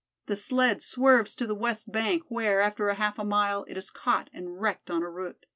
The sled swerves to the west bank, where, after half a mile, it is caught and wrecked on a root.